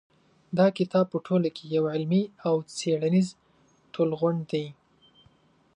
دا کتاب په ټوله کې یو علمي او څېړنیز ټولغونډ دی.